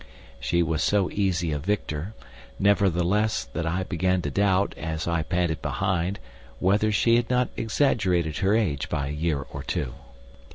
She was so easy a victor, nevertheless, that I began to doubt, as I panted behind, whether she had not exaggerated her age by a year or two.